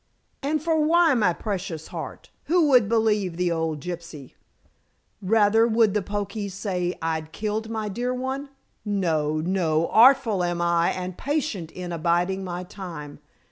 "And for why, my precious heart? Who would believe the old gypsy? Rather would the Poknees say as I'd killed my dear one. No! no! Artful am I and patient in abiding my time.